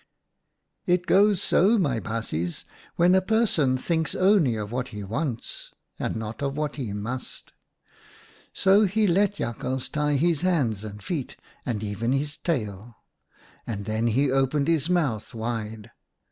It goes so, my baasjes, when a 98 OUTA KAREL'S STORIES person thinks only of what he wants and not of what he must. So he let Jakhals tie his hands and feet, and even his tail, and then he opened his mouth wide.